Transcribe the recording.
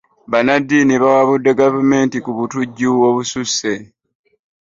Bannaddiini bawabude gavumenti ku butujju obususe.